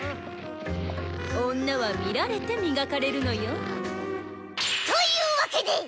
女は見られて磨かれるのよ。というわけで！